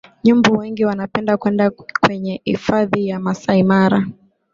nyumbu wengi wanapenda kwenda kwenye hifadhi ya masai mara